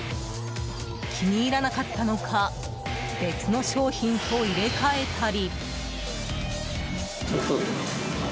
気に入らなかったのか別の商品と入れ替えたり。